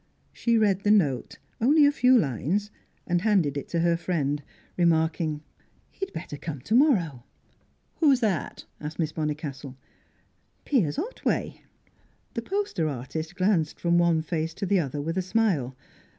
She read the note only a few lines, and handed it to her friend, remarking: "He'd better come to morrow." "Who's that?" asked Miss Bonnicastle. "Piers Otway." The poster artist glanced from one face to the other, with a smile.